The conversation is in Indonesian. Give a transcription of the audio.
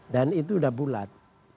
dan itu sudah bulat